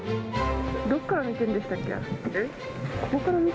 どこから見てるんでしたっけ？